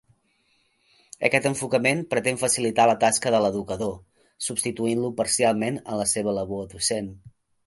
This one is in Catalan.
Aquest enfocament pretén facilitar la tasca de l'educador, substituint-lo parcialment en la seva labor docent.